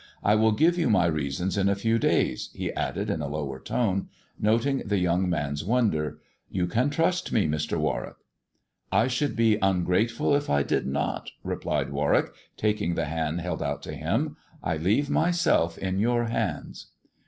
" I will give you my reasons in a few days," he added in a lower tone, noting the young man's wonder ;" you can trust me, Mr. Warwick." " I should be ungrateful if I did not," replied Warwick, taking the hand held out to him ;" I leave myself in your hands."